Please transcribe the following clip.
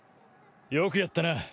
よくやったな！